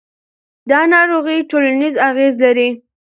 دا ناروغي ټولنیز اغېز لري.